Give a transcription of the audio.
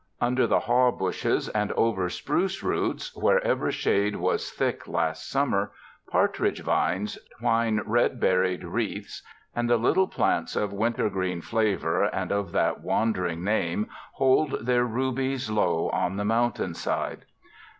Under the haw bushes and over spruce roots, wherever shade was thick last summer, partridge vines twine red berried wreaths and the little plants of wintergreen flavor and of that wandering name hold their rubies low on the mountain side.